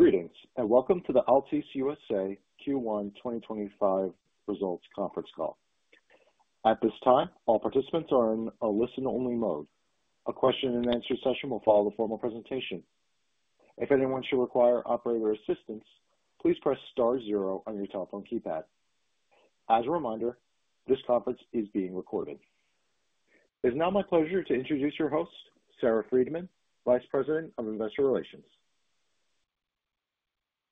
Greetings and welcome to the Altice USA Q1 2025 results conference call. At this time, all participants are in a listen-only mode. A question-and-answer session will follow the formal presentation. If anyone should require operator assistance, please press star zero on your telephone keypad. As a reminder, this conference is being recorded. It is now my pleasure to introduce your host, Sarah Freedman, Vice President of Investor Relations.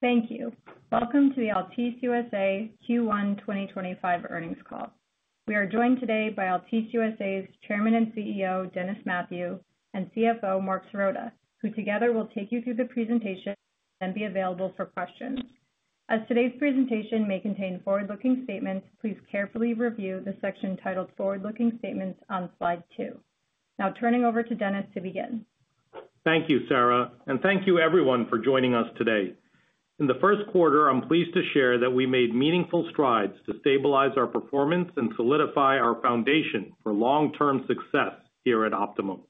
Thank you. Welcome to the Altice USA Q1 2025 earnings call. We are joined today by Altice USA's Chairman and CEO, Dennis Mathew, and CFO, Marc Sirota, who together will take you through the presentation and be available for questions. As today's presentation may contain forward-looking statements, please carefully review the section titled Forward-Looking Statements on slide two. Now turning over to Dennis to begin. Thank you, Sarah, and thank you everyone for joining us today. In the first quarter, I'm pleased to share that we made meaningful strides to stabilize our performance and solidify our foundation for long-term success here at Optimum.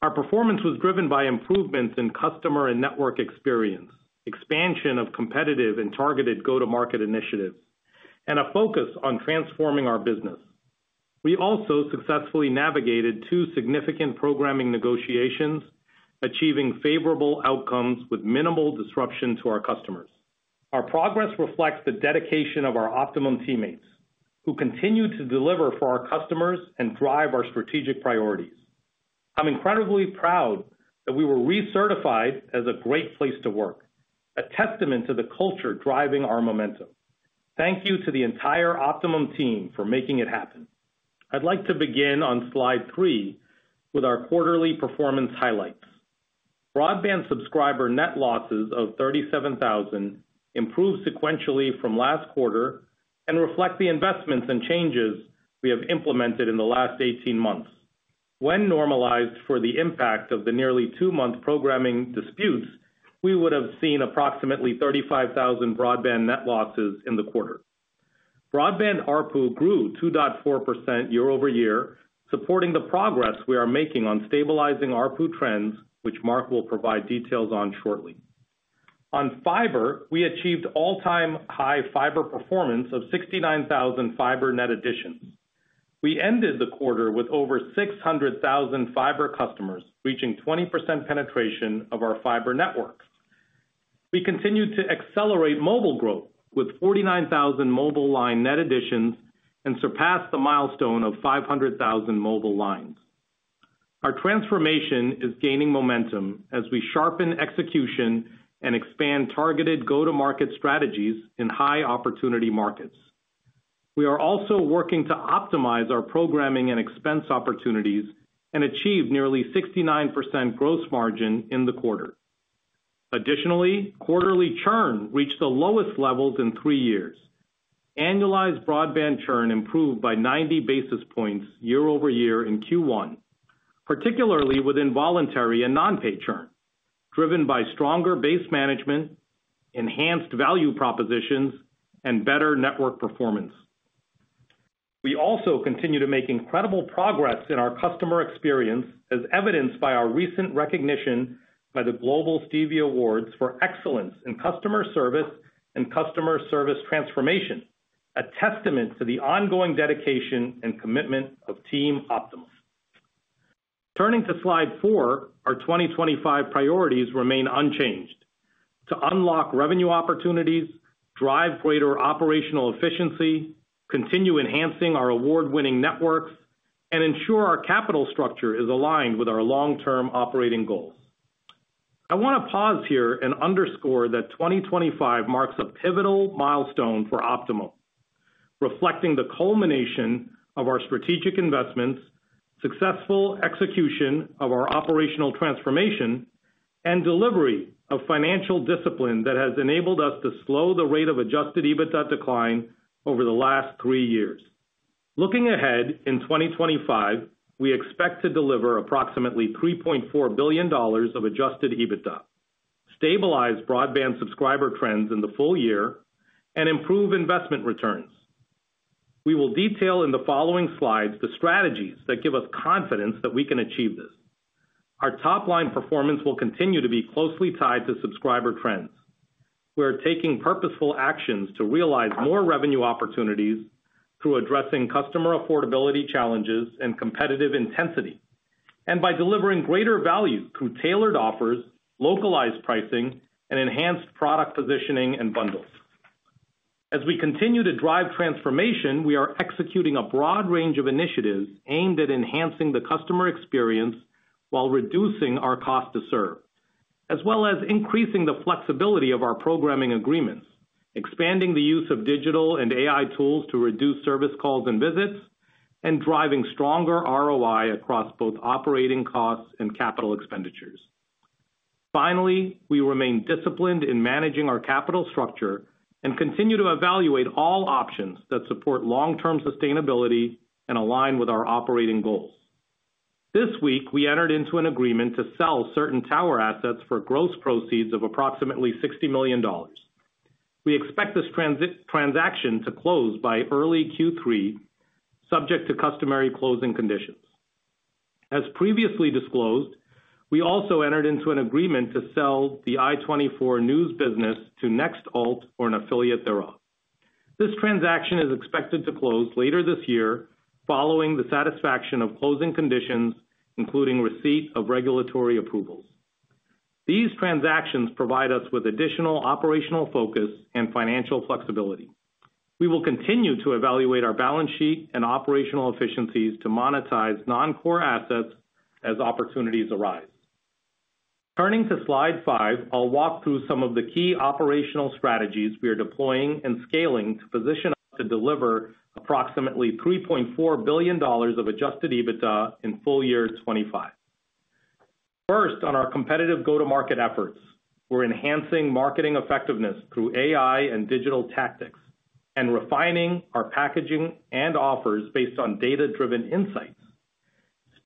Our performance was driven by improvements in customer and network experience, expansion of competitive and targeted go-to-market initiatives, and a focus on transforming our business. We also successfully navigated two significant programming negotiations, achieving favorable outcomes with minimal disruption to our customers. Our progress reflects the dedication of our Optimum teammates, who continue to deliver for our customers and drive our strategic priorities. I'm incredibly proud that we were recertified as a great place to work, a testament to the culture driving our momentum. Thank you to the entire Optimum team for making it happen. I'd like to begin on slide three with our quarterly performance highlights. Broadband subscriber net losses of 37,000 improved sequentially from last quarter and reflect the investments and changes we have implemented in the last 18 months. When normalized for the impact of the nearly two-month programming disputes, we would have seen approximately 35,000 broadband net losses in the quarter. Broadband ARPU grew 2.4% year over year, supporting the progress we are making on stabilizing ARPU trends, which Mark will provide details on shortly. On fiber, we achieved all-time high fiber performance of 69,000 fiber net additions. We ended the quarter with over 600,000 fiber customers reaching 20% penetration of our fiber network. We continued to accelerate mobile growth with 49,000 mobile line net additions and surpassed the milestone of 500,000 mobile lines. Our transformation is gaining momentum as we sharpen execution and expand targeted go-to-market strategies in high opportunity markets. We are also working to optimize our programming and expense opportunities and achieve nearly 69% gross margin in the quarter. Additionally, quarterly churn reached the lowest levels in three years. Annualized broadband churn improved by 90 basis points year over year in Q1, particularly with involuntary and non-pay churn, driven by stronger base management, enhanced value propositions, and better network performance. We also continue to make incredible progress in our customer experience, as evidenced by our recent recognition by the Global Stevie Awards for excellence in customer service and customer service transformation, a testament to the ongoing dedication and commitment of Team Optimum. Turning to slide four, our 2025 priorities remain unchanged: to unlock revenue opportunities, drive greater operational efficiency, continue enhancing our award-winning networks, and ensure our capital structure is aligned with our long-term operating goals. I want to pause here and underscore that 2025 marks a pivotal milestone for Optimum, reflecting the culmination of our strategic investments, successful execution of our operational transformation, and delivery of financial discipline that has enabled us to slow the rate of adjusted EBITDA decline over the last three years. Looking ahead in 2025, we expect to deliver approximately $3.4 billion of adjusted EBITDA, stabilize broadband subscriber trends in the full year, and improve investment returns. We will detail in the following slides the strategies that give us confidence that we can achieve this. Our top-line performance will continue to be closely tied to subscriber trends. We are taking purposeful actions to realize more revenue opportunities through addressing customer affordability challenges and competitive intensity, and by delivering greater value through tailored offers, localized pricing, and enhanced product positioning and bundles. As we continue to drive transformation, we are executing a broad range of initiatives aimed at enhancing the customer experience while reducing our cost to serve, as well as increasing the flexibility of our programming agreements, expanding the use of digital and AI tools to reduce service calls and visits, and driving stronger ROI across both operating costs and capital expenditures. Finally, we remain disciplined in managing our capital structure and continue to evaluate all options that support long-term sustainability and align with our operating goals. This week, we entered into an agreement to sell certain tower assets for gross proceeds of approximately $60 million. We expect this transaction to close by early Q3, subject to customary closing conditions. As previously disclosed, we also entered into an agreement to sell the I24 news business to Next Alt or an affiliate thereof. This transaction is expected to close later this year, following the satisfaction of closing conditions, including receipt of regulatory approvals. These transactions provide us with additional operational focus and financial flexibility. We will continue to evaluate our balance sheet and operational efficiencies to monetize non-core assets as opportunities arise. Turning to slide five, I'll walk through some of the key operational strategies we are deploying and scaling to position us to deliver approximately $3.4 billion of adjusted EBITDA in full year 2025. First, on our competitive go-to-market efforts, we're enhancing marketing effectiveness through AI and digital tactics and refining our packaging and offers based on data-driven insights.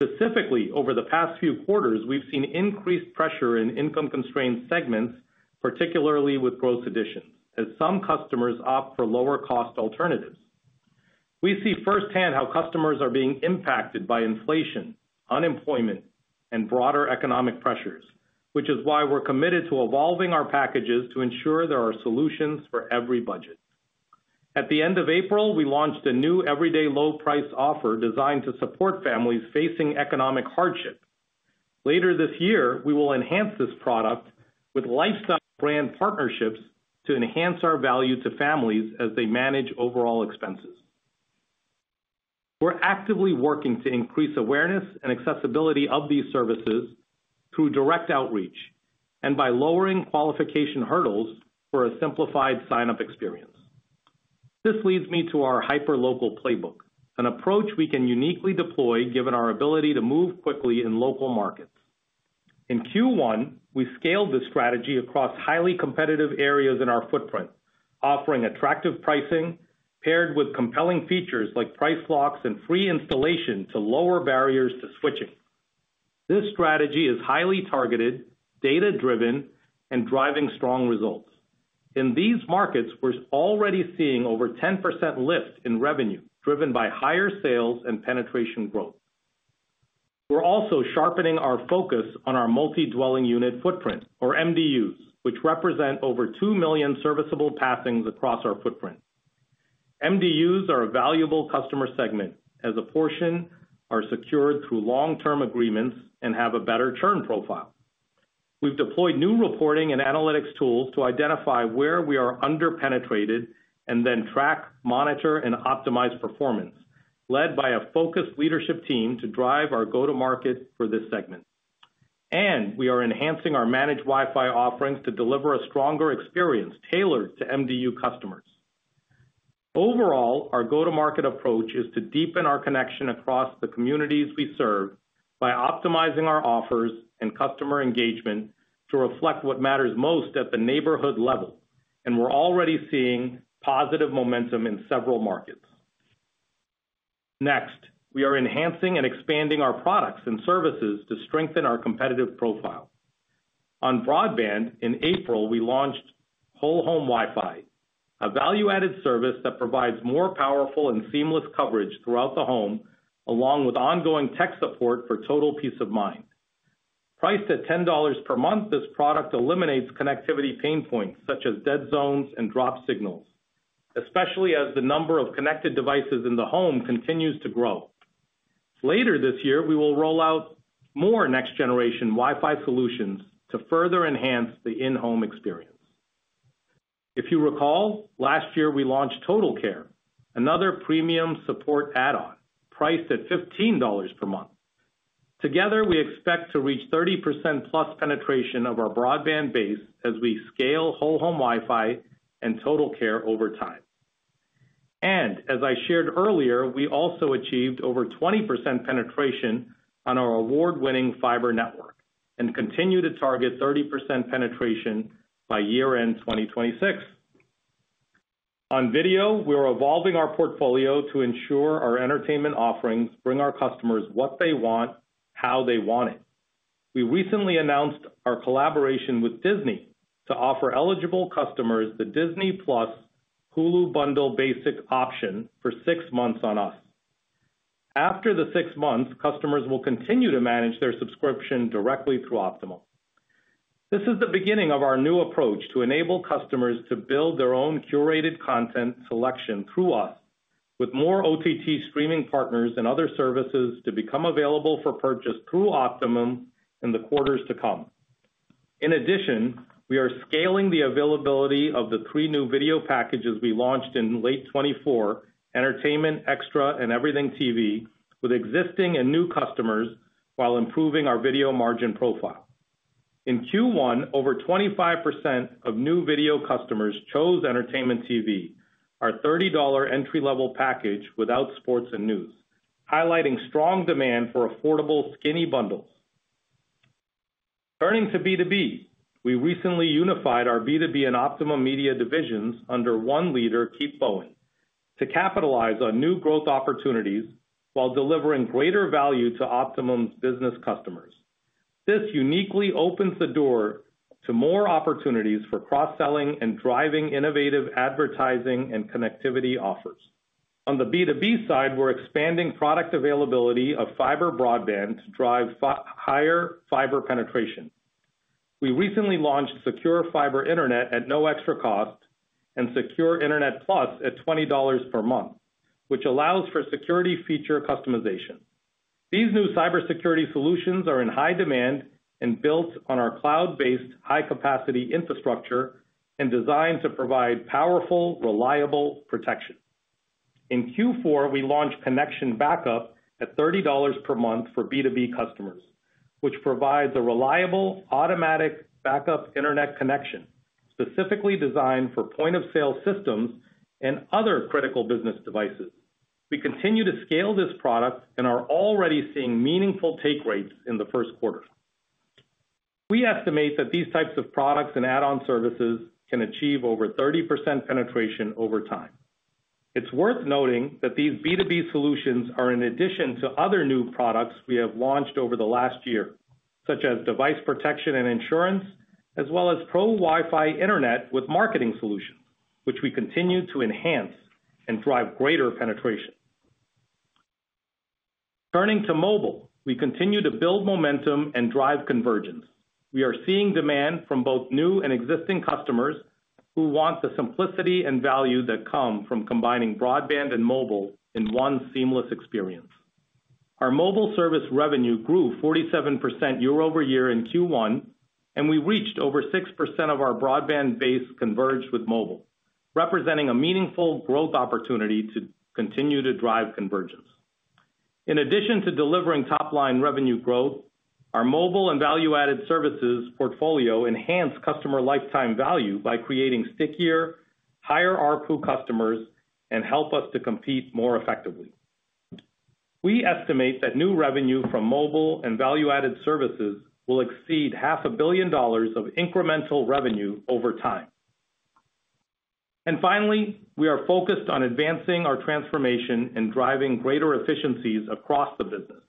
Specifically, over the past few quarters, we've seen increased pressure in income-constrained segments, particularly with gross additions, as some customers opt for lower-cost alternatives. We see firsthand how customers are being impacted by inflation, unemployment, and broader economic pressures, which is why we're committed to evolving our packages to ensure there are solutions for every budget. At the end of April, we launched a new everyday low-price offer designed to support families facing economic hardship. Later this year, we will enhance this product with lifestyle brand partnerships to enhance our value for families as they manage overall expenses. We're actively working to increase awareness and accessibility of these services through direct outreach and by lowering qualification hurdles for a simplified sign-up experience. This leads me to our hyper-local playbook, an approach we can uniquely deploy given our ability to move quickly in local markets. In Q1, we scaled the strategy across highly competitive areas in our footprint, offering attractive pricing paired with compelling features like price locks and free installation to lower barriers to switching. This strategy is highly targeted, data-driven, and driving strong results. In these markets, we're already seeing over 10% lift in revenue driven by higher sales and penetration growth. We're also sharpening our focus on our multi-dwelling unit footprint, or MDUs, which represent over 2 million serviceable passings across our footprint. MDUs are a valuable customer segment as a portion are secured through long-term agreements and have a better churn profile. We've deployed new reporting and analytics tools to identify where we are under-penetrated and then track, monitor, and optimize performance, led by a focused leadership team to drive our go-to-market for this segment. We are enhancing our managed Wi-Fi offerings to deliver a stronger experience tailored to MDU customers. Overall, our go-to-market approach is to deepen our connection across the communities we serve by optimizing our offers and customer engagement to reflect what matters most at the neighborhood level, and we're already seeing positive momentum in several markets. Next, we are enhancing and expanding our products and services to strengthen our competitive profile. On broadband, in April, we launched Whole Home Wi-Fi, a value-added service that provides more powerful and seamless coverage throughout the home, along with ongoing tech support for total peace of mind. Priced at $10 per month, this product eliminates connectivity pain points such as dead zones and dropped signals, especially as the number of connected devices in the home continues to grow. Later this year, we will roll out more next-generation Wi-Fi solutions to further enhance the in-home experience. If you recall, last year we launched TotalCare, another premium support add-on, priced at $15 per month. Together, we expect to reach 30%+ penetration of our broadband base as we scale Whole Home Wi-Fi and TotalCare over time. As I shared earlier, we also achieved over 20% penetration on our award-winning fiber network and continue to target 30% penetration by year-end 2026. On video, we are evolving our portfolio to ensure our entertainment offerings bring our customers what they want, how they want it. We recently announced our collaboration with Disney to offer eligible customers the Disney Plus Hulu bundle basic option for six months on us. After the six months, customers will continue to manage their subscription directly through Optimum. This is the beginning of our new approach to enable customers to build their own curated content selection through us, with more OTT streaming partners and other services to become available for purchase through Optimum in the quarters to come. In addition, we are scaling the availability of the three new video packages we launched in late 2024, Entertainment, Extra, and Everything TV, with existing and new customers, while improving our video margin profile. In Q1, over 25% of new video customers chose Entertainment TV, our $30 entry-level package without sports and news, highlighting strong demand for affordable skinny bundles. Turning to B2B, we recently unified our B2B and Optimum media divisions under one leader, Keith Bowen, to capitalize on new growth opportunities while delivering greater value to Optimum's business customers. This uniquely opens the door to more opportunities for cross-selling and driving innovative advertising and connectivity offers. On the B2B side, we're expanding product availability of fiber broadband to drive higher fiber penetration. We recently launched Secure Fiber Internet at no extra cost and Secure Internet Plus at $20 per month, which allows for security feature customization. These new cybersecurity solutions are in high demand and built on our cloud-based high-capacity infrastructure and designed to provide powerful, reliable protection. In Q4, we launched Connection Backup at $30 per month for B2B customers, which provides a reliable, automatic backup internet connection specifically designed for point-of-sale systems and other critical business devices. We continue to scale this product and are already seeing meaningful take rates in the first quarter. We estimate that these types of products and add-on services can achieve over 30% penetration over time. It's worth noting that these B2B solutions are in addition to other new products we have launched over the last year, such as device protection and insurance, as well as Pro Wi-Fi internet with marketing solutions, which we continue to enhance and drive greater penetration. Turning to mobile, we continue to build momentum and drive convergence. We are seeing demand from both new and existing customers who want the simplicity and value that come from combining broadband and mobile in one seamless experience. Our mobile service revenue grew 47% year-over-year in Q1, and we reached over 6% of our broadband base converged with mobile, representing a meaningful growth opportunity to continue to drive convergence. In addition to delivering top-line revenue growth, our mobile and value-added services portfolio enhances customer lifetime value by creating stickier, higher RPU customers and helps us to compete more effectively. We estimate that new revenue from mobile and value-added services will exceed $500,000,000 of incremental revenue over time. Finally, we are focused on advancing our transformation and driving greater efficiencies across the business.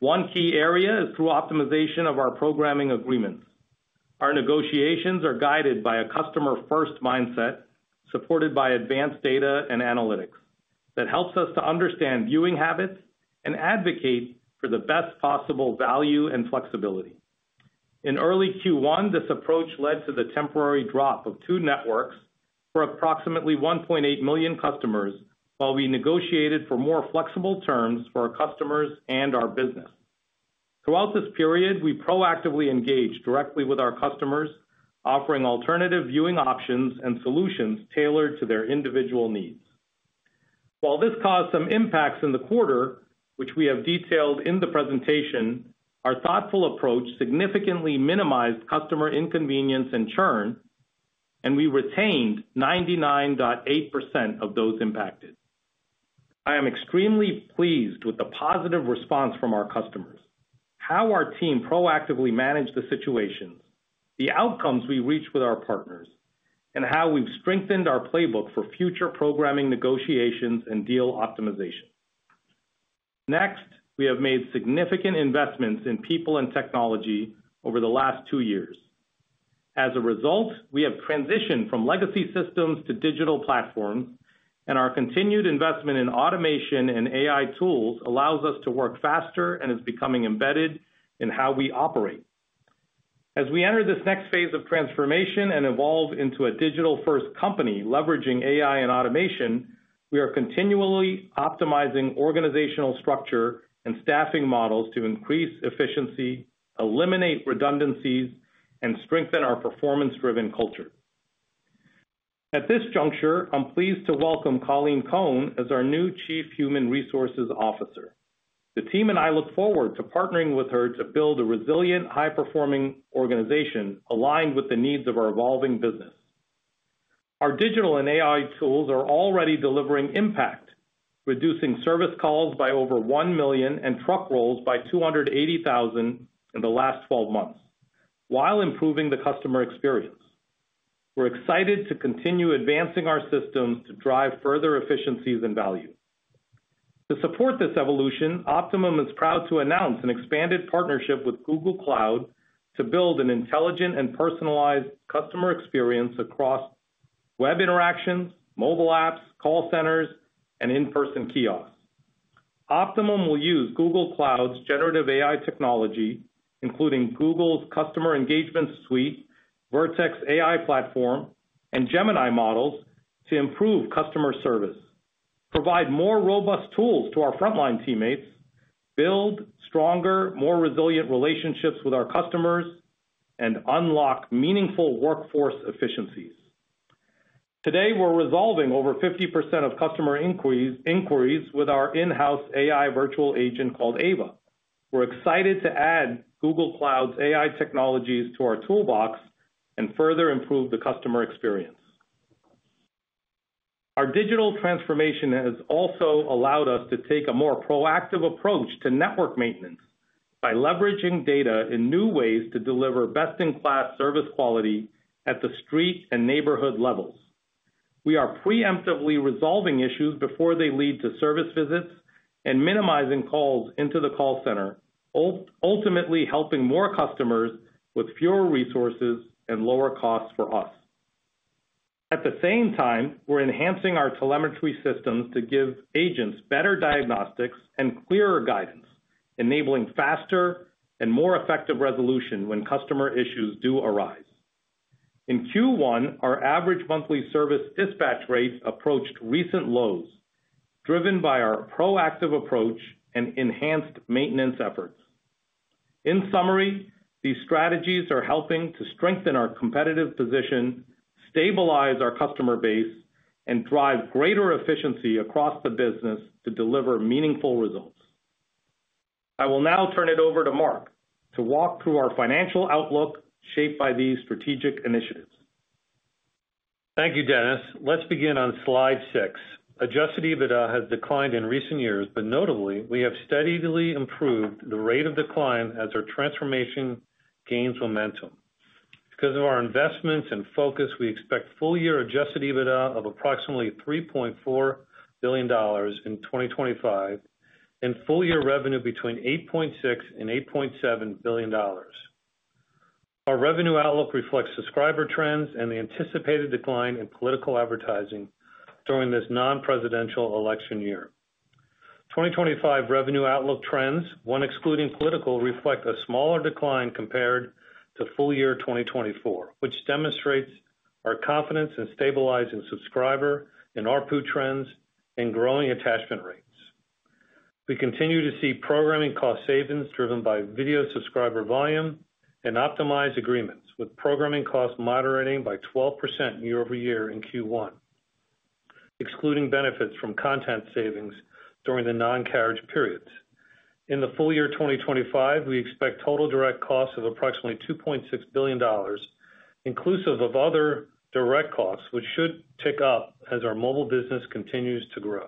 One key area is through optimization of our programming agreements. Our negotiations are guided by a customer-first mindset supported by advanced data and analytics that helps us to understand viewing habits and advocate for the best possible value and flexibility. In early Q1, this approach led to the temporary drop of two networks for approximately 1,800,000 customers while we negotiated for more flexible terms for our customers and our business. Throughout this period, we proactively engaged directly with our customers, offering alternative viewing options and solutions tailored to their individual needs. While this caused some impacts in the quarter, which we have detailed in the presentation, our thoughtful approach significantly minimized customer inconvenience and churn, and we retained 99.8% of those impacted. I am extremely pleased with the positive response from our customers, how our team proactively managed the situations, the outcomes we reached with our partners, and how we've strengthened our playbook for future programming negotiations and deal optimization. Next, we have made significant investments in people and technology over the last two years. As a result, we have transitioned from legacy systems to digital platforms, and our continued investment in automation and AI tools allows us to work faster and is becoming embedded in how we operate. As we enter this next phase of transformation and evolve into a digital-first company leveraging AI and automation, we are continually optimizing organizational structure and staffing models to increase efficiency, eliminate redundancies, and strengthen our performance-driven culture. At this juncture, I'm pleased to welcome Colleen Cohn as our new Chief Human Resources Officer. The team and I look forward to partnering with her to build a resilient, high-performing organization aligned with the needs of our evolving business. Our digital and AI tools are already delivering impact, reducing service calls by over 1 million and truck rolls by 280,000 in the last 12 months, while improving the customer experience. We're excited to continue advancing our systems to drive further efficiencies and value. To support this evolution, Optimum is proud to announce an expanded partnership with Google Cloud to build an intelligent and personalized customer experience across web interactions, mobile apps, call centers, and in-person kiosks. Optimum will use Google Cloud's generative AI technology, including Google's Customer Engagement Suite, Vertex AI Platform, and Gemini models to improve customer service, provide more robust tools to our frontline teammates, build stronger, more resilient relationships with our customers, and unlock meaningful workforce efficiencies. Today, we're resolving over 50% of customer inquiries with our in-house AI virtual agent called Ava. We're excited to add Google Cloud's AI technologies to our toolbox and further improve the customer experience. Our digital transformation has also allowed us to take a more proactive approach to network maintenance by leveraging data in new ways to deliver best-in-class service quality at the street and neighborhood levels. We are preemptively resolving issues before they lead to service visits and minimizing calls into the call center, ultimately helping more customers with fewer resources and lower costs for us. At the same time, we're enhancing our telemetry systems to give agents better diagnostics and clearer guidance, enabling faster and more effective resolution when customer issues do arise. In Q1, our average monthly service dispatch rate approached recent lows, driven by our proactive approach and enhanced maintenance efforts. In summary, these strategies are helping to strengthen our competitive position, stabilize our customer base, and drive greater efficiency across the business to deliver meaningful results. I will now turn it over to Mark to walk through our financial outlook shaped by these strategic initiatives. Thank you, Dennis. Let's begin on slide six. Adjusted EBITDA has declined in recent years, but notably, we have steadily improved the rate of decline as our transformation gains momentum. Because of our investments and focus, we expect full-year adjusted EBITDA of approximately $3.4 billion in 2025 and full-year revenue between $8.6 billion and $8.7 billion. Our revenue outlook reflects subscriber trends and the anticipated decline in political advertising during this non-presidential election year. 2025 revenue outlook trends, one excluding political, reflect a smaller decline compared to full-year 2024, which demonstrates our confidence in stabilizing subscriber and RPU trends and growing attachment rates. We continue to see programming cost savings driven by video subscriber volume and optimized agreements with programming costs moderating by 12% year-over-year in Q1, excluding benefits from content savings during the non-carriage periods. In the full-year 2025, we expect total direct costs of approximately $2.6 billion, inclusive of other direct costs, which should tick up as our mobile business continues to grow.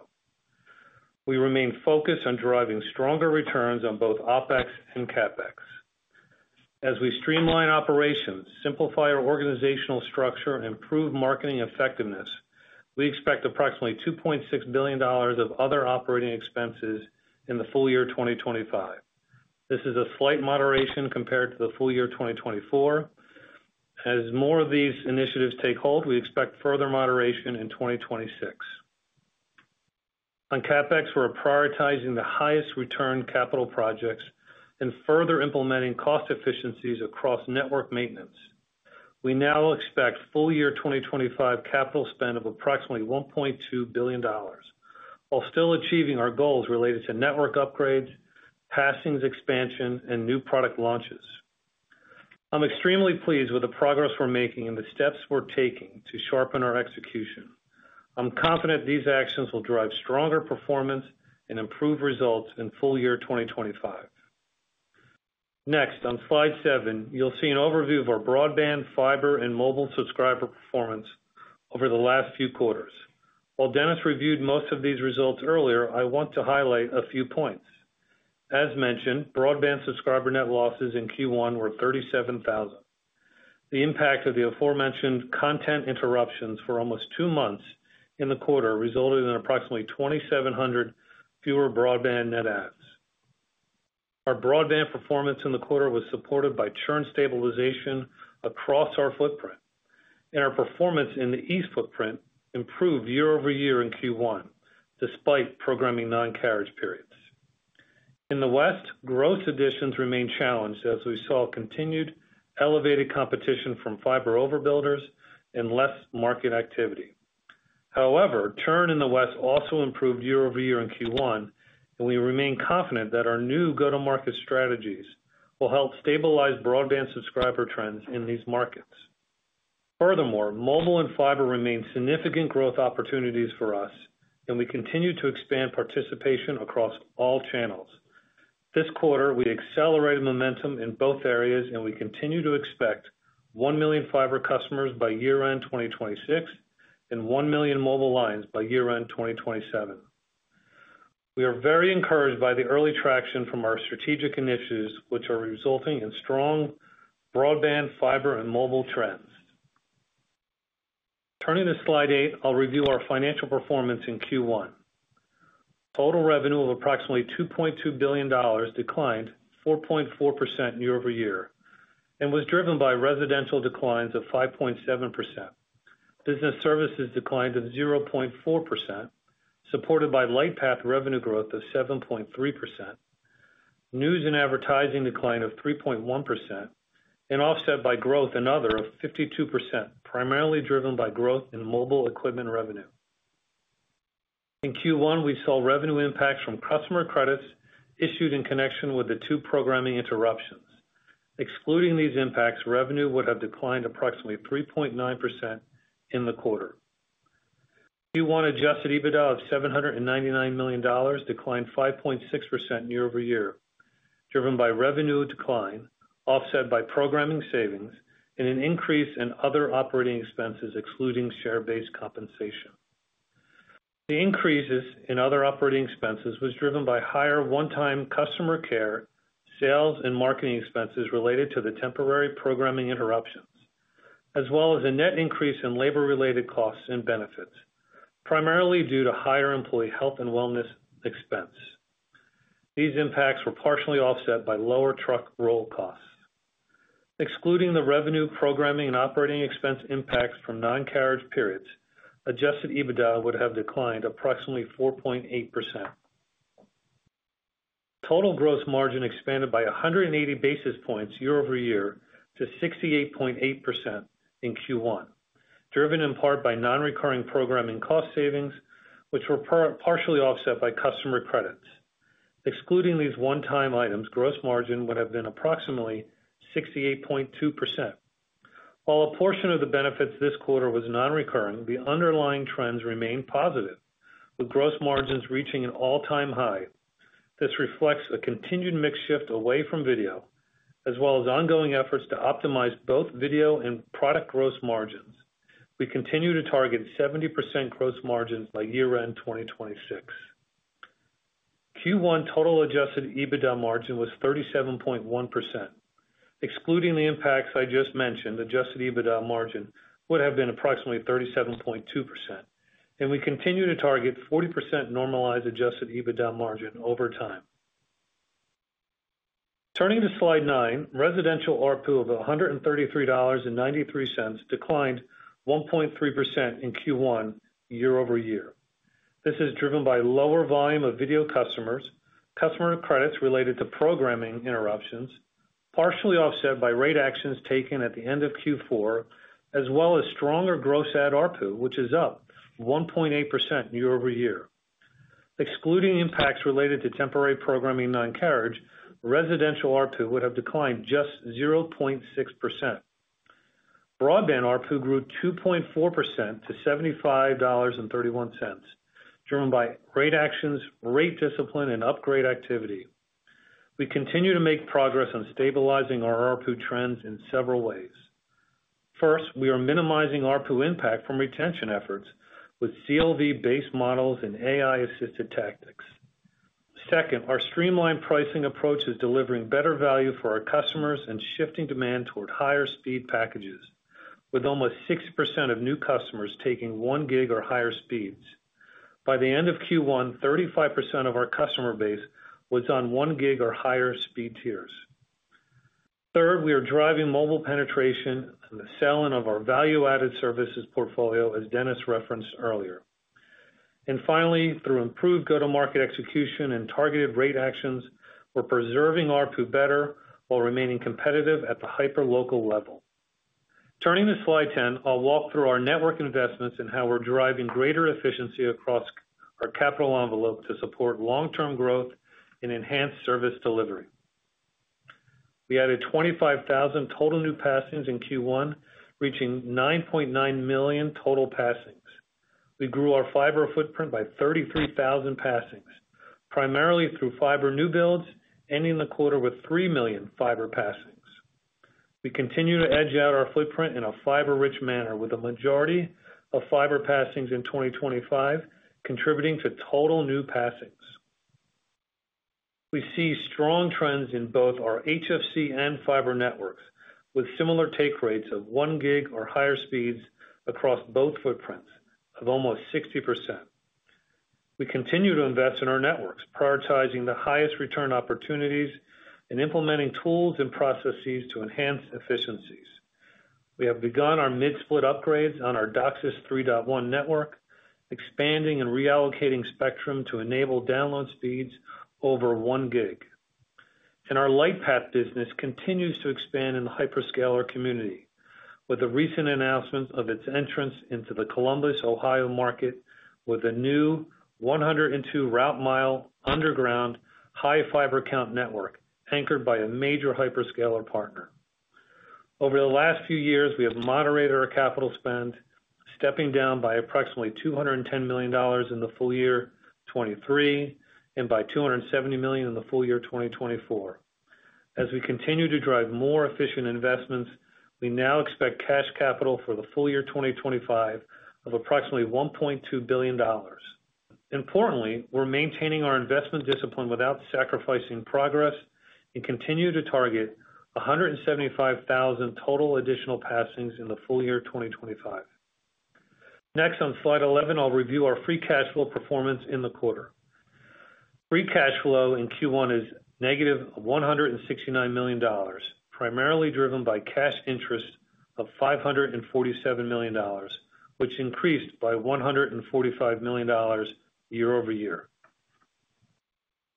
We remain focused on driving stronger returns on both OPEX and CAPEX. As we streamline operations, simplify our organizational structure, and improve marketing effectiveness, we expect approximately $2.6 billion of other operating expenses in the full-year 2025. This is a slight moderation compared to the full-year 2024. As more of these initiatives take hold, we expect further moderation in 2026. On CAPEX, we're prioritizing the highest return capital projects and further implementing cost efficiencies across network maintenance. We now expect full-year 2025 capital spend of approximately $1.2 billion, while still achieving our goals related to network upgrades, passings expansion, and new product launches. I'm extremely pleased with the progress we're making and the steps we're taking to sharpen our execution. I'm confident these actions will drive stronger performance and improve results in full-year 2025. Next, on slide seven, you'll see an overview of our broadband, fiber, and mobile subscriber performance over the last few quarters. While Dennis reviewed most of these results earlier, I want to highlight a few points. As mentioned, broadband subscriber net losses in Q1 were 37,000. The impact of the aforementioned content interruptions for almost two months in the quarter resulted in approximately 2,700 fewer broadband net adds. Our broadband performance in the quarter was supported by churn stabilization across our footprint, and our performance in the East footprint improved year-over-year in Q1, despite programming non-carriage periods. In the West, gross additions remain challenged as we saw continued elevated competition from fiber overbuilders and less market activity. However, churn in the West also improved year-over-year in Q1, and we remain confident that our new go-to-market strategies will help stabilize broadband subscriber trends in these markets. Furthermore, mobile and fiber remain significant growth opportunities for us, and we continue to expand participation across all channels. This quarter, we accelerated momentum in both areas, and we continue to expect 1 million fiber customers by year-end 2026 and 1 million mobile lines by year-end 2027. We are very encouraged by the early traction from our strategic initiatives, which are resulting in strong broadband, fiber, and mobile trends. Turning to slide eight, I'll review our financial performance in Q1. Total revenue of approximately $2.2 billion declined 4.4% year-over-year and was driven by residential declines of 5.7%. Business services declined at 0.4%, supported by Lightpath revenue growth of 7.3%, news and advertising decline of 3.1%, and offset by growth in other 52%, primarily driven by growth in mobile equipment revenue. In Q1, we saw revenue impacts from customer credits issued in connection with the two programming interruptions. Excluding these impacts, revenue would have declined approximately 3.9% in the quarter. Q1 adjusted EBITDA of $799 million declined 5.6% year-over-year, driven by revenue decline, offset by programming savings, and an increase in other operating expenses excluding share-based compensation. The increases in other operating expenses were driven by higher one-time customer care, sales, and marketing expenses related to the temporary programming interruptions, as well as a net increase in labor-related costs and benefits, primarily due to higher employee health and wellness expense. These impacts were partially offset by lower truck roll costs. Excluding the revenue, programming, and operating expense impacts from non-carriage periods, adjusted EBITDA would have declined approximately 4.8%. Total gross margin expanded by 180 basis points year-over-year to 68.8% in Q1, driven in part by non-recurring programming cost savings, which were partially offset by customer credits. Excluding these one-time items, gross margin would have been approximately 68.2%. While a portion of the benefits this quarter was non-recurring, the underlying trends remained positive, with gross margins reaching an all-time high. This reflects a continued mix shift away from video, as well as ongoing efforts to optimize both video and product gross margins. We continue to target 70% gross margins by year-end 2026. Q1 total adjusted EBITDA margin was 37.1%. Excluding the impacts I just mentioned, adjusted EBITDA margin would have been approximately 37.2%, and we continue to target 40% normalized adjusted EBITDA margin over time. Turning to slide nine, residential RPU of $133.93 declined 1.3% in Q1 year-over-year. This is driven by lower volume of video customers, customer credits related to programming interruptions, partially offset by rate actions taken at the end of Q4, as well as stronger gross ad RPU, which is up 1.8% year-over-year. Excluding impacts related to temporary programming non-carriage, residential RPU would have declined just 0.6%. Broadband RPU grew 2.4% to $75.31, driven by rate actions, rate discipline, and upgrade activity. We continue to make progress on stabilizing our RPU trends in several ways. First, we are minimizing RPU impact from retention efforts with CLV-based models and AI-assisted tactics. Second, our streamlined pricing approach is delivering better value for our customers and shifting demand toward higher speed packages, with almost 6% of new customers taking 1 gig or higher speeds. By the end of Q1, 35% of our customer base was on 1 gig or higher speed tiers. Third, we are driving mobile penetration and the selling of our value-added services portfolio, as Dennis referenced earlier. Finally, through improved go-to-market execution and targeted rate actions, we're preserving RPU better while remaining competitive at the hyper-local level. Turning to slide 10, I'll walk through our network investments and how we're driving greater efficiency across our capital envelope to support long-term growth and enhanced service delivery. We added 25,000 total new passings in Q1, reaching 9.9 million total passings. We grew our fiber footprint by 33,000 passings, primarily through fiber new builds, ending the quarter with 3 million fiber passings. We continue to edge out our footprint in a fiber-rich manner, with a majority of fiber passings in 2025 contributing to total new passings. We see strong trends in both our HFC and fiber networks, with similar take rates of 1 gig or higher speeds across both footprints of almost 60%. We continue to invest in our networks, prioritizing the highest return opportunities and implementing tools and processes to enhance efficiencies. We have begun our mid-split upgrades on our DOCSIS 3.1 network, expanding and reallocating spectrum to enable download speeds over 1 gig. Our light path business continues to expand in the hyperscaler community, with the recent announcement of its entrance into the Columbus, Ohio market, with a new 102 route mile underground high fiber count network anchored by a major hyperscaler partner. Over the last few years, we have moderated our capital spend, stepping down by approximately $210 million in the full-year 2023 and by $270 million in the full-year 2024. As we continue to drive more efficient investments, we now expect cash capital for the full-year 2025 of approximately $1.2 billion. Importantly, we're maintaining our investment discipline without sacrificing progress and continue to target 175,000 total additional passings in the full-year 2025. Next, on slide 11, I'll review our free cash flow performance in the quarter. Free cash flow in Q1 is negative $169 million, primarily driven by cash interest of $547 million, which increased by $145 million year-over-year.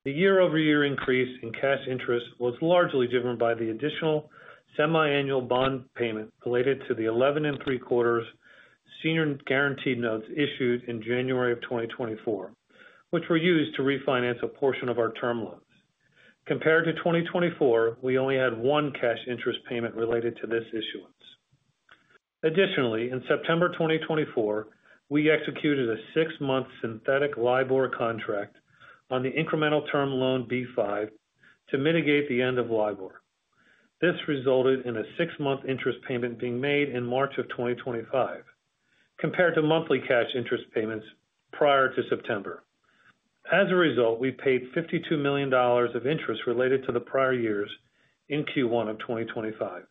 The year-over-year increase in cash interest was largely driven by the additional semi-annual bond payment related to the 11 and three-quarters senior guaranteed notes issued in January of 2024, which were used to refinance a portion of our term loans. Compared to 2024, we only had one cash interest payment related to this issuance. Additionally, in September 2024, we executed a six-month synthetic Libor contract on the incremental term loan B5 to mitigate the end of Libor. This resulted in a six-month interest payment being made in March of 2025, compared to monthly cash interest payments prior to September. As a result, we paid $52 million of interest related to the prior years in Q1 of 2025.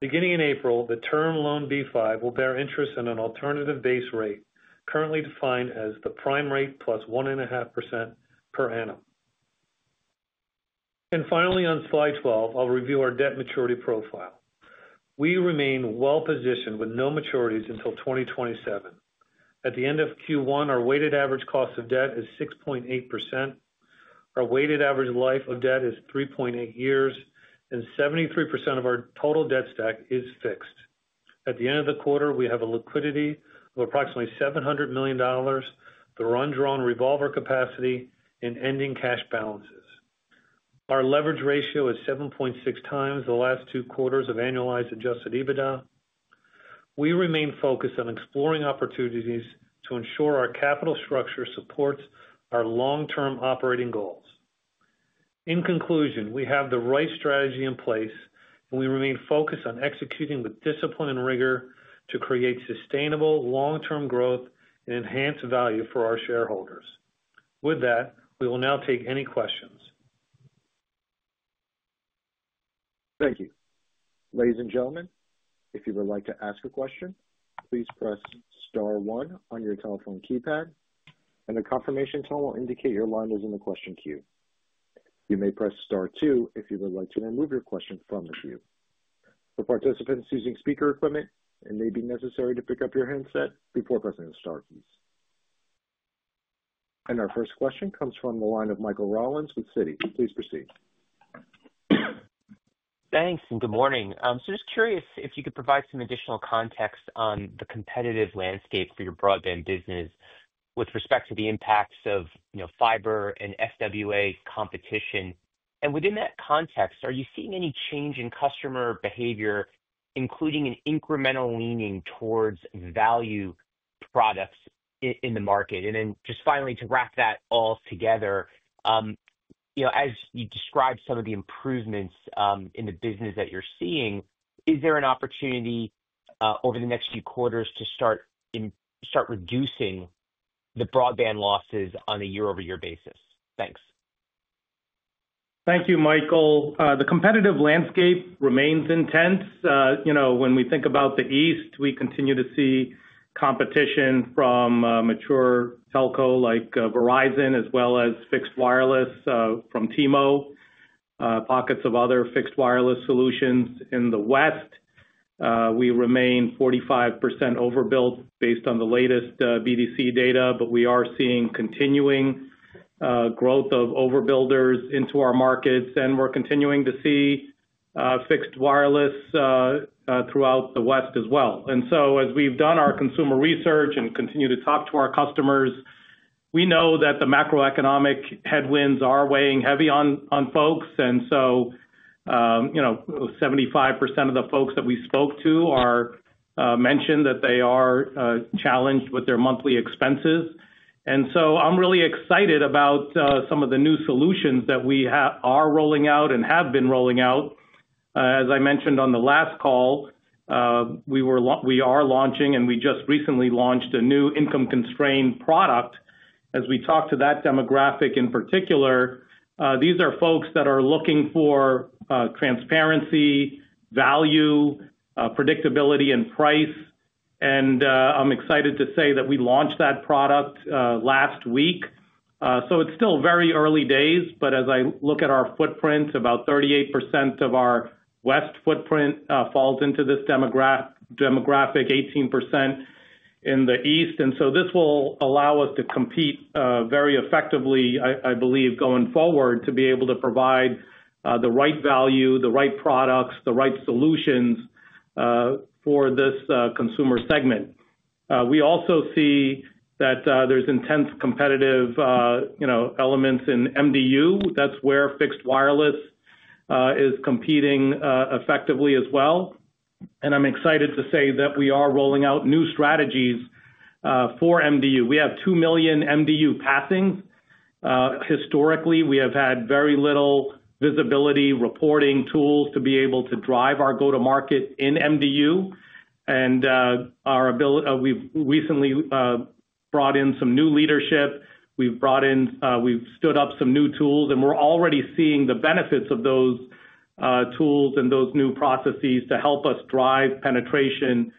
Beginning in April, the term loan B5 will bear interest at an alternative base rate currently defined as the prime rate plus 1.5% per annum. Finally, on slide 12, I'll review our debt maturity profile. We remain well-positioned with no maturities until 2027. At the end of Q1, our weighted average cost of debt is 6.8%. Our weighted average life of debt is 3.8 years, and 73% of our total debt stack is fixed. At the end of the quarter, we have a liquidity of approximately $700 million, the undrawn revolver capacity, and ending cash balances. Our leverage ratio is 7.6 times the last two quarters of annualized adjusted EBITDA. We remain focused on exploring opportunities to ensure our capital structure supports our long-term operating goals. In conclusion, we have the right strategy in place, and we remain focused on executing with discipline and rigor to create sustainable long-term growth and enhanced value for our shareholders. With that, we will now take any questions. Thank you. Ladies and gentlemen, if you would like to ask a question, please press star one on your telephone keypad, and the confirmation tone will indicate your line is in the question queue. You may press star two if you would like to remove your question from the queue. For participants using speaker equipment, it may be necessary to pick up your handset before pressing the star keys. Our first question comes from the line of Michael Rollins with Citi. Please proceed. Thanks, and good morning. Just curious if you could provide some additional context on the competitive landscape for your broadband business with respect to the impacts of fiber and SWA competition. Within that context, are you seeing any change in customer behavior, including an incremental leaning towards value products in the market? Finally, to wrap that all together, as you described some of the improvements in the business that you're seeing, is there an opportunity over the next few quarters to start reducing the broadband losses on a year-over-year basis? Thanks. Thank you, Michael. The competitive landscape remains intense. When we think about the East, we continue to see competition from mature telco like Verizon, as well as fixed wireless from T-Mobile, pockets of other fixed wireless solutions in the West. We remain 45% overbuilt based on the latest BDC data, but we are seeing continuing growth of overbuilders into our markets, and we are continuing to see fixed wireless throughout the West as well. As we have done our consumer research and continue to talk to our customers, we know that the macroeconomic headwinds are weighing heavy on folks. 75% of the folks that we spoke to mentioned that they are challenged with their monthly expenses. I am really excited about some of the new solutions that we are rolling out and have been rolling out. As I mentioned on the last call, we are launching, and we just recently launched a new income-constrained product. As we talk to that demographic in particular, these are folks that are looking for transparency, value, predictability, and price. I am excited to say that we launched that product last week. It is still very early days, but as I look at our footprint, about 38% of our West footprint falls into this demographic, 18% in the East. This will allow us to compete very effectively, I believe, going forward, to be able to provide the right value, the right products, the right solutions for this consumer segment. We also see that there are intense competitive elements in MDU. That is where fixed wireless is competing effectively as well. I am excited to say that we are rolling out new strategies for MDU. We have 2 million MDU passings. Historically, we have had very little visibility, reporting tools to be able to drive our go-to-market in MDU. We have recently brought in some new leadership. We have stood up some new tools, and we are already seeing the benefits of those tools and those new processes to help us drive penetration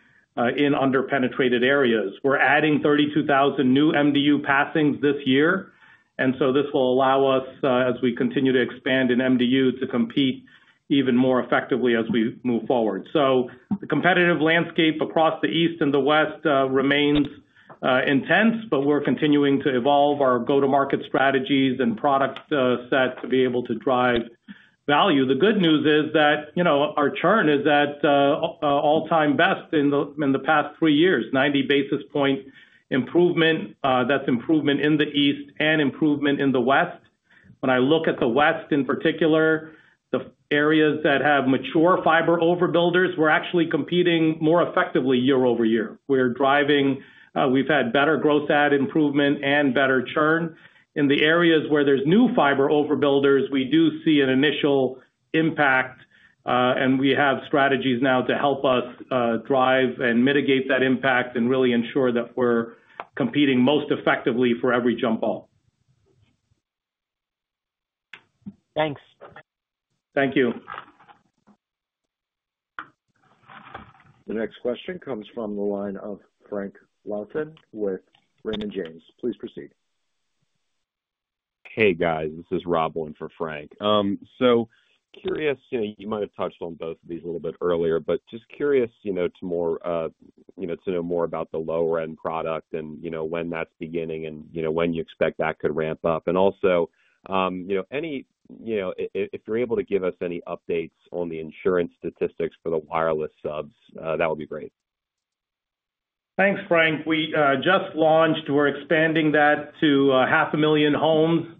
in underpenetrated areas. We are adding 32,000 new MDU passings this year. This will allow us, as we continue to expand in MDU, to compete even more effectively as we move forward. The competitive landscape across the East and the West remains intense, but we are continuing to evolve our go-to-market strategies and product set to be able to drive value. The good news is that our churn is at all-time best in the past three years, 90 basis point improvement. That is improvement in the East and improvement in the West. When I look at the West in particular, the areas that have mature fiber overbuilders, we are actually competing more effectively year-over-year. We've had better gross add improvement and better churn. In the areas where there's new fiber overbuilders, we do see an initial impact, and we have strategies now to help us drive and mitigate that impact and really ensure that we're competing most effectively for every jump ball. Thanks. Thank you. The next question comes from the line of Frank Garrett Louthan with Raymond James. Please proceed. Hey, guys. This is Roblin for Frank. Curious, you might have touched on both of these a little bit earlier, but just curious to know more about the lower-end product and when that's beginning and when you expect that could ramp up. Also, if you're able to give us any updates on the insurance statistics for the wireless subs, that would be great. Thanks, Frank. We just launched. We're expanding that to 500,000 homes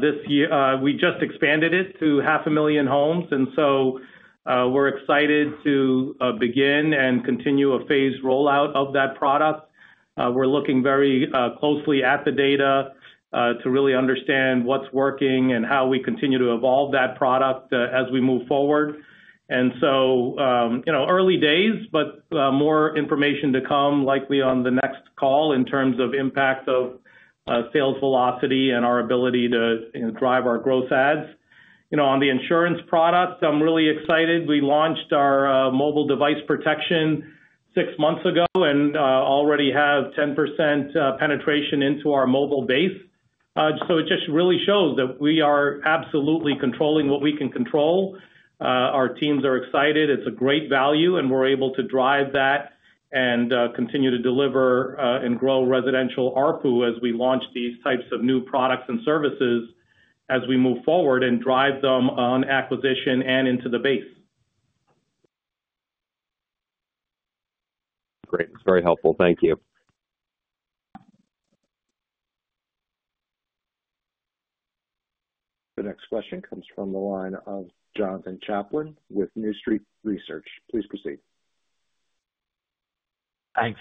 this year. We just expanded it to 500,000 homes. We are excited to begin and continue a phased rollout of that product. We are looking very closely at the data to really understand what is working and how we continue to evolve that product as we move forward. Early days, but more information to come likely on the next call in terms of impact of sales velocity and our ability to drive our gross ads. On the insurance products, I am really excited. We launched our mobile device protection six months ago and already have 10% penetration into our mobile base. It just really shows that we are absolutely controlling what we can control. Our teams are excited. It's a great value, and we're able to drive that and continue to deliver and grow residential ARPU as we launch these types of new products and services as we move forward and drive them on acquisition and into the base. Great. It's very helpful. Thank you. The next question comes from the line of Jonathan Chaplin with New Street Research. Please proceed. Thanks.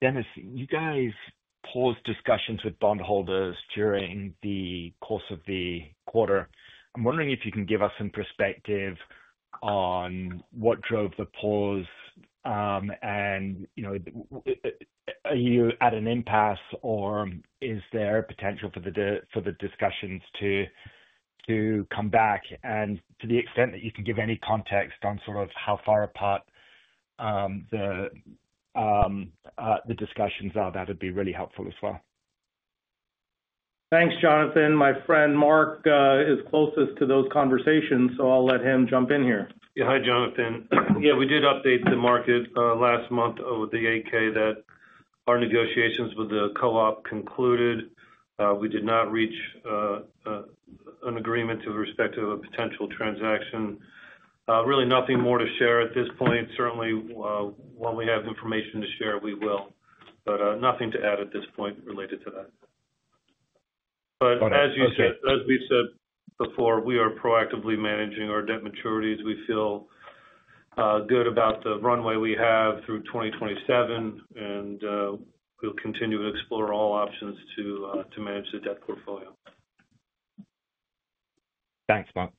Dennis, you guys paused discussions with bondholders during the course of the quarter. I'm wondering if you can give us some perspective on what drove the pause and are you at an impasse or is there potential for the discussions to come back? To the extent that you can give any context on sort of how far apart the discussions are, that would be really helpful as well. Thanks, Jonathan. My friend Mark is closest to those conversations, so I'll let him jump in here. Yeah, hi, Jonathan. Yeah, we did update the market last month with the 8-K that our negotiations with the co-op concluded. We did not reach an agreement with respect to a potential transaction. Really nothing more to share at this point. Certainly, when we have information to share, we will. Nothing to add at this point related to that. As we said before, we are proactively managing our debt maturities. We feel good about the runway we have through 2027, and we'll continue to explore all options to manage the debt portfolio. Thanks, Mark.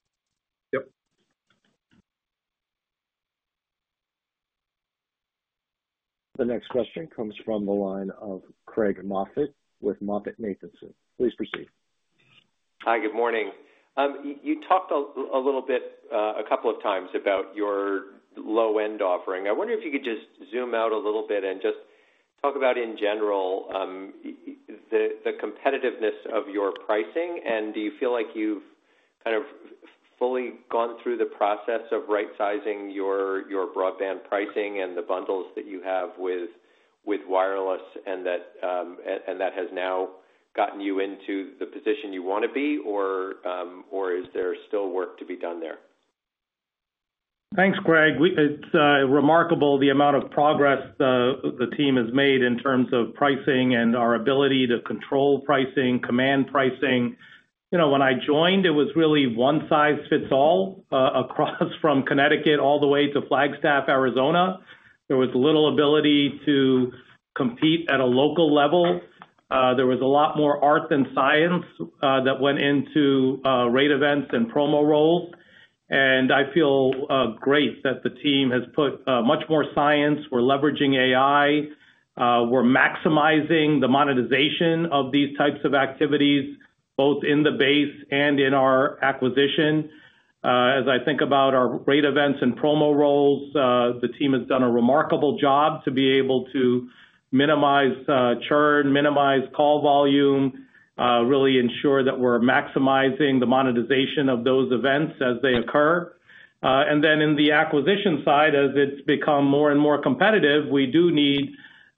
Yep. The next question comes from the line of Craig Moffett with MoffettNathanson. Please proceed. Hi, good morning. You talked a little bit a couple of times about your low-end offering. I wonder if you could just zoom out a little bit and just talk about, in general, the competitiveness of your pricing. Do you feel like you've kind of fully gone through the process of right-sizing your broadband pricing and the bundles that you have with wireless, and that has now gotten you into the position you want to be, or is there still work to be done there? Thanks, Craig. It's remarkable the amount of progress the team has made in terms of pricing and our ability to control pricing, command pricing. When I joined, it was really one size fits all across from Connecticut all the way to Flagstaff, Arizona. There was little ability to compete at a local level. There was a lot more art than science that went into rate events and promo roles. I feel great that the team has put much more science. We're leveraging AI. We're maximizing the monetization of these types of activities, both in the base and in our acquisition. As I think about our rate events and promo roles, the team has done a remarkable job to be able to minimize churn, minimize call volume, really ensure that we're maximizing the monetization of those events as they occur. Then in the acquisition side, as it's become more and more competitive, we do need,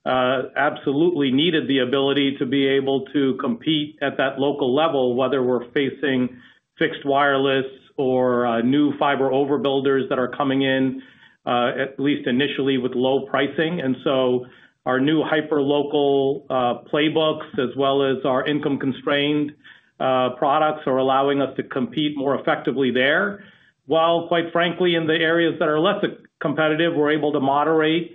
absolutely needed the ability to be able to compete at that local level, whether we're facing fixed wireless or new fiber overbuilders that are coming in, at least initially, with low pricing. Our new hyperlocal playbooks, as well as our income-constrained products, are allowing us to compete more effectively there. While, quite frankly, in the areas that are less competitive, we're able to moderate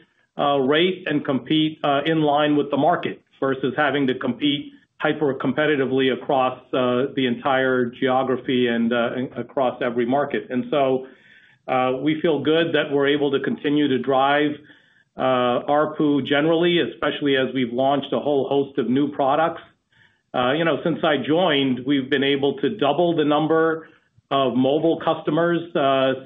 rate and compete in line with the market versus having to compete hyper-competitively across the entire geography and across every market. We feel good that we're able to continue to drive ARPU generally, especially as we've launched a whole host of new products. Since I joined, we've been able to double the number of mobile customers.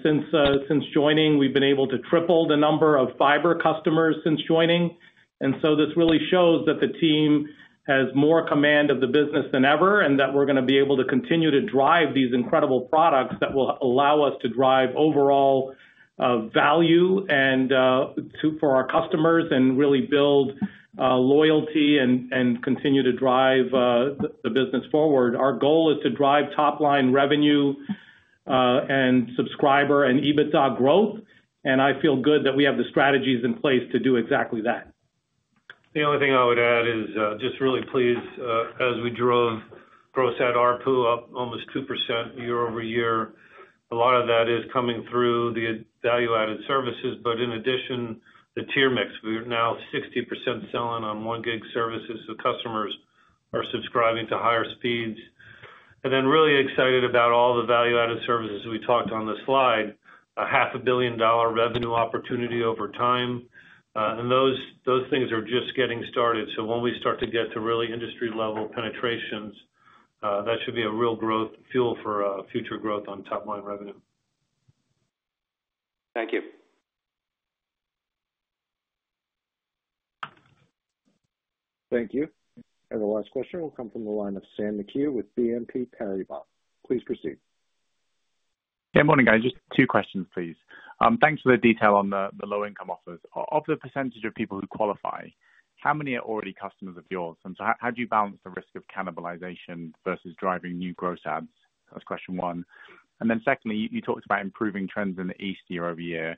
Since joining, we've been able to triple the number of fiber customers since joining. This really shows that the team has more command of the business than ever and that we're going to be able to continue to drive these incredible products that will allow us to drive overall value for our customers and really build loyalty and continue to drive the business forward. Our goal is to drive top-line revenue and subscriber and EBITDA growth. I feel good that we have the strategies in place to do exactly that. The only thing I would add is just really pleased, as we drove gross ad ARPU up almost 2% year-over-year. A lot of that is coming through the value-added services, but in addition, the tier mix. We're now 60% selling on one-gig services, so customers are subscribing to higher speeds. Really excited about all the value-added services we talked on the slide, a $500,000,000 revenue opportunity over time. Those things are just getting started. When we start to get to really industry-level penetrations, that should be a real growth fuel for future growth on top-line revenue. Thank you. Thank you. The last question will come from the line of Samuel McHugh with BNP Paribas. Please proceed. Hey, morning, guys. Just two questions, please. Thanks for the detail on the low-income offers. Of the percentage of people who qualify, how many are already customers of yours? How do you balance the risk of cannibalization versus driving new gross ads? That's question one. Secondly, you talked about improving trends in the East year-over-year.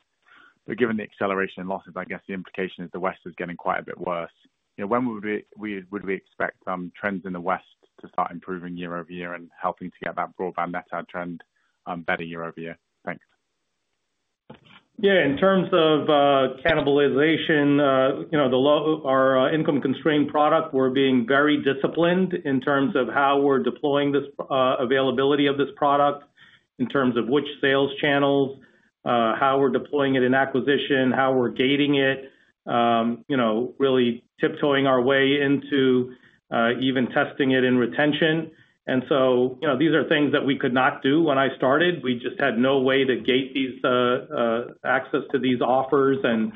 Given the acceleration in losses, I guess the implication is the West is getting quite a bit worse. When would we expect trends in the West to start improving year-over-year and helping to get that broadband net ad trend better year-over-year? Thanks. Yeah. In terms of cannibalization, our income-constrained product, we're being very disciplined in terms of how we're deploying this availability of this product, in terms of which sales channels, how we're deploying it in acquisition, how we're gating it, really tiptoeing our way into even testing it in retention. These are things that we could not do when I started. We just had no way to gate access to these offers and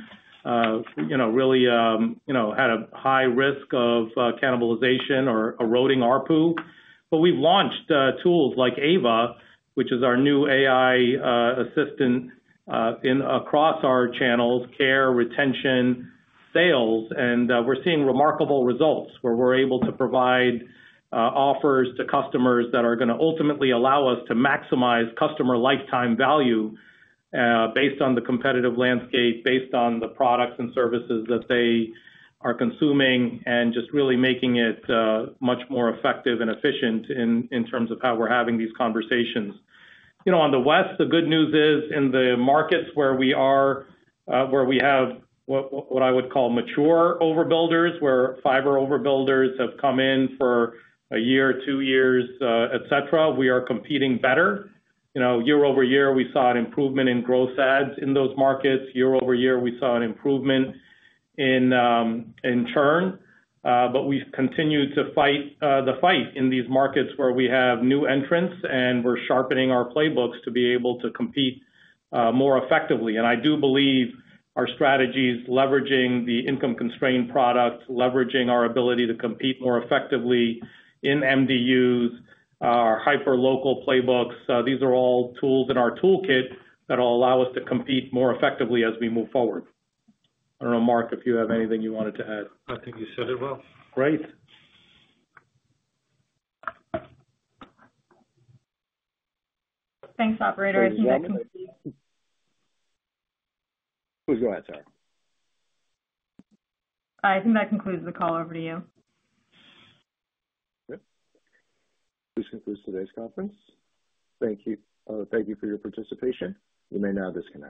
really had a high risk of cannibalization or eroding ARPU. We have launched tools like AVA, which is our new AI assistant across our channels, care, retention, sales. We are seeing remarkable results where we are able to provide offers to customers that are going to ultimately allow us to maximize customer lifetime value based on the competitive landscape, based on the products and services that they are consuming, and just really making it much more effective and efficient in terms of how we are having these conversations. On the West, the good news is in the markets where we have, what I would call, mature overbuilders, where fiber overbuilders have come in for a year, two years, etc., we are competing better. Year-over-year, we saw an improvement in gross ads in those markets. Year-over-year, we saw an improvement in churn. We have continued to fight the fight in these markets where we have new entrants, and we are sharpening our playbooks to be able to compete more effectively. I do believe our strategies, leveraging the income-constrained product, leveraging our ability to compete more effectively in MDUs, our hyperlocal playbooks, these are all tools in our toolkit that will allow us to compete more effectively as we move forward. I do not know, Mark, if you have anything you wanted to add. I think you said it well. Great. Thanks, Operator. I think that concludes. Please go ahead, sir. I think that concludes the call over to you. Yes. This concludes today's conference. Thank you. Thank you for your participation. You may now disconnect.